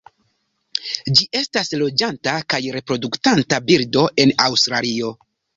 Ĝi estas loĝanta kaj reproduktanta birdo en Aŭstralio.